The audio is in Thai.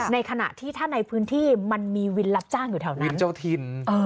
ในขณะที่ถ้าในพื้นที่มันมีวินรับจ้างอยู่แถวนั้นวินเจ้าถิ่น